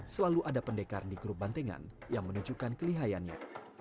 selalu ada pendekar di grup bandengan yang menunjukkan kelihayannya